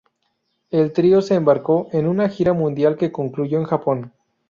El trío se embarcó en una gira mundial que concluyó en Japón.